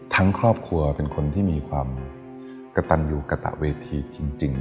ครอบครัวเป็นคนที่มีความกระตันอยู่กระตะเวทีจริง